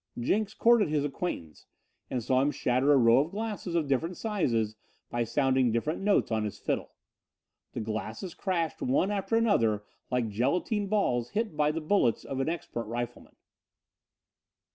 Jenks courted his acquaintance, and saw him shatter a row of glasses of different sizes by sounding different notes on his fiddle. The glasses crashed one after another like gelatine balls hit by the bullets of an expert rifleman.